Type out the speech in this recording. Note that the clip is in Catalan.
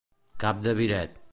Cap de biret.